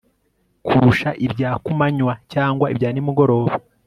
kurusha ibya ku manywa cyangwa ibya nimugoroba